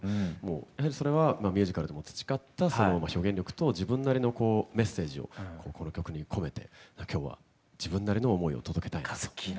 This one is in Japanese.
それはミュージカルでも培ったその表現力と自分なりのメッセージをこの曲に込めて今日は自分なりの思いを届けたいです。